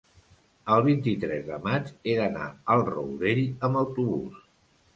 el vint-i-tres de maig he d'anar al Rourell amb autobús.